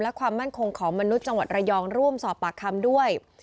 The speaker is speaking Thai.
และความมั่นคงของมนุษย์จังหวัดระยองร่วมสอบปากคำด้วย